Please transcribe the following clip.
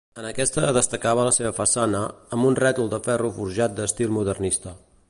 En aquesta destacava la seva façana, amb un rètol de ferro forjat d'estil modernista.